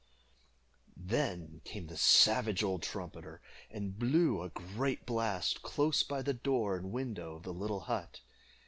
Then came the savage old trumpeter, and blew a great blast close by the door and window of the little hut.